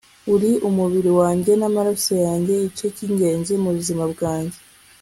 uri umubiri wanjye n'amaraso yanjye, igice cyingenzi mubuzima bwanjye